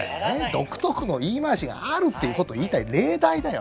独特の言い回しがあるっていう事を言いたい例題だよ。